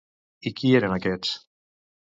I qui eren aquests?